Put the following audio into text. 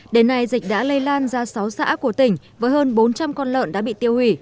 đến nay dịch đã lây lan ra sáu xã của tỉnh với hơn bốn trăm linh con lợn đã bị tiêu hủy